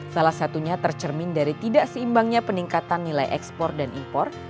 salah satunya tercermin dari tidak seimbangnya peningkatan nilai ekspor dan impor